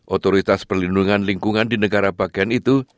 otoritas perlindungan lingkungan di negara bagian itu